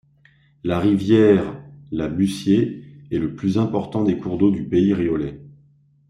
La rivière la Buthiers est le plus important des cours d'eau du pays riolais.